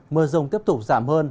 mưa rồng tiếp tục giảm hơn